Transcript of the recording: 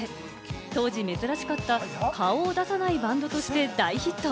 当時珍しかった顔を出さないバンドとして大ヒット。